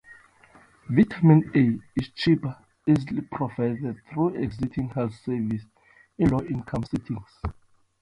Vitamin A is cheap and easily provided through existing health services in low-income settings.